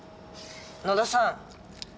野田さん。